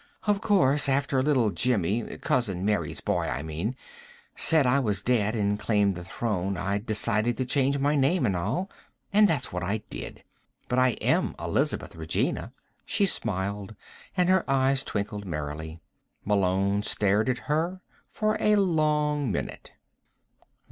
Of course, after little Jimmy cousin Mary's boy, I mean said I was dead and claimed the Throne, I decided to change my name and all. And that's what I did. But I am Elizabeth Regina." She smiled, and her eyes twinkled merrily. Malone stared at her for a long minute.